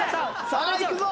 さあいくぞ！